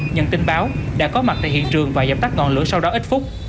nhận tin báo đã có mặt tại hiện trường và dập tắt ngọn lửa sau đó ít phút